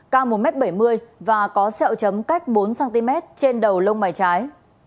cao một m bảy mươi và có sẹo chấm cách bốn cm trên đầu lông mày trái